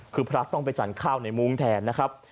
คือพระต้องไปจัดข้าวในมุ้งแทนนะครับ